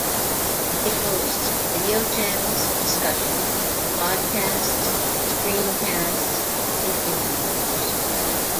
It hosts video channels, discussions, podcasts, screencasts and interviews.